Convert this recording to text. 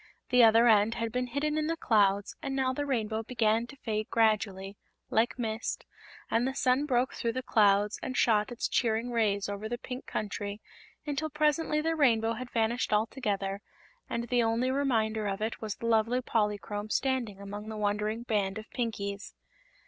The other end had been hidden in the clouds and now the Rainbow began to fade gradually, like mist, and the sun broke through the clouds and shot its cheering rays over the Pink Country until presently the Rainbow had vanished altogether and the only reminder of it was the lovely Polychrome standing among the wondering band of Pinkies.